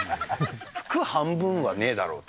服半分はねえだろと。